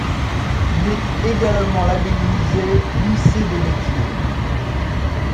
Il est également labellisé Lycée des métiers.